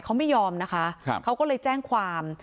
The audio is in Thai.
เขาไม่ยอมนะคะเขาก็เลยแจ้งความ